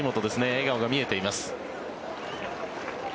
笑顔が見えています。